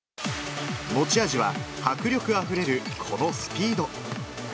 持ち味は、迫力あふれるこのスピード。